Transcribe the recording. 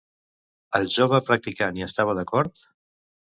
El jove practicant hi estava d'acord?